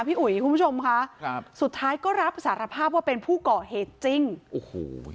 อุ๋ยคุณผู้ชมค่ะครับสุดท้ายก็รับสารภาพว่าเป็นผู้ก่อเหตุจริงโอ้โห